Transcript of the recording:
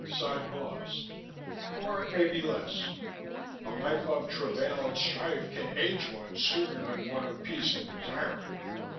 Sime paused. "Or it may be less. A life of travail and strife can age one sooner than one of peace and retirement.